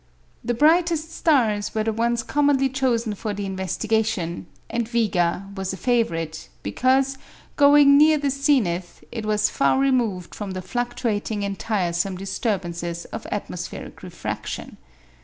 The brightest stars were the ones commonly chosen for the investigation, and Vega was a favourite, because, going near the zenith, it was far removed from the fluctuating and tiresome disturbances of atmospheric refraction.